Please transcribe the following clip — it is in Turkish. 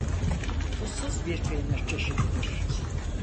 Tuzsuz bir peynir çeşididir.